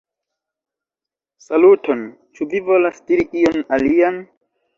Saluton! Ĉu vi volas diri ion alian?